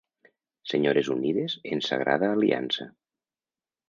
Senyores unides en sagrada aliança.